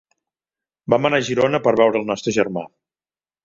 Vam anar a Girona per veure el nostre germà.